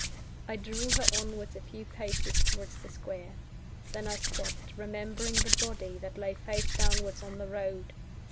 I drew her onward a few paces towards the Square. Then I stopped, remembering the body that lay face downwards on the road.